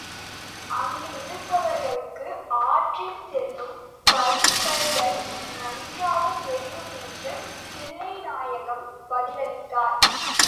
அங்கு இருப்பவர்களுக்கு ஆற்றில் செல்லும் பரிசல்கள் நன்றாகத் தெரியும் என்று தில்லைநாயகம் பதிலளித்தார்.